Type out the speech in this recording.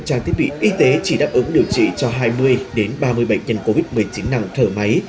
trang thiết bị y tế chỉ đáp ứng điều trị cho hai mươi ba mươi bệnh nhân covid một mươi chín nặng thở máy